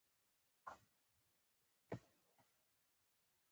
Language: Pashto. د ټکسي او بسونو کرایې هم همداسې دي.